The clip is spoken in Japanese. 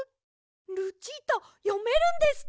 ルチータよめるんですか！？